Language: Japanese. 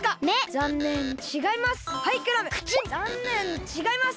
ざんねんちがいます。